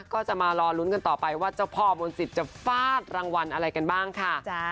ก็จะมารอลุ้นกันต่อไปว่าเจ้าพ่อมนศิษย์จะฟาดรางวัลอะไรกันบ้างค่ะ